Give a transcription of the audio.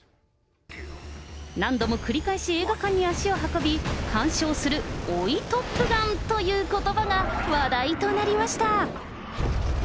何度も繰り返し映画館に足を運び、鑑賞する追いトップガンということばが話題となりました。